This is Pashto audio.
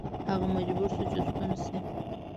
هغه مجبور شو چې ستون شي.